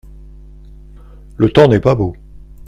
Le temps n’est pas beau.